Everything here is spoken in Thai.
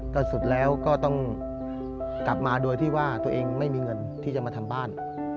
ก็สุดแล้วก็ต้องกลับมาโดยที่ว่าตัวเองไม่มีเงินที่จะมาทำบ้าน